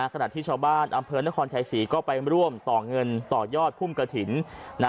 ขณะที่ชาวบ้านอำเภอนครชัยศรีก็ไปร่วมต่อเงินต่อยอดพุ่มกระถิ่น